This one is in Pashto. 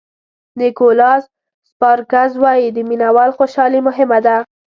نیکولاس سپارکز وایي د مینه وال خوشالي مهمه ده.